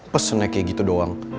pesennya kayak gitu doang